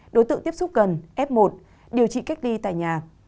đối tượng tiếp xúc gần f một điều trị cách ly tại nhà